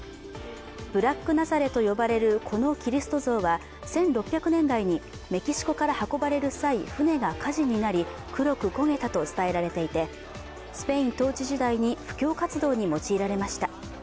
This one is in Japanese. ブラックナザレと呼ばれるこのキリスト像は１６００年代にメキシコから運ばれる際、船が火事になり黒く焦げたと伝えられていてスペイン統治時代に布教活動に用いられました。